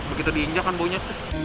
begitu diinjak kan baunya